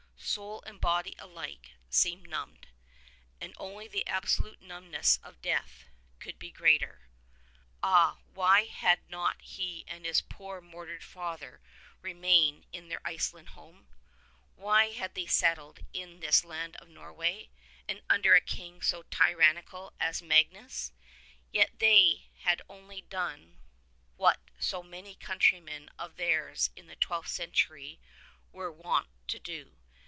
Soul and body alike seemed numbed, and only the absolute numbness of death could be greater. Ah, why had not he and his poor murdered father re mained in their Iceland home ? Why had they settled in this land of Norway, and under a King so tyrannical as Magnus ? Yet they had only done what so many countrymen of theirs in that twelfth century were wont to do.